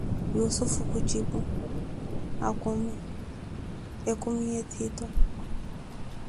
Yussufu khujipu: akumi, ekumi ya ettiito.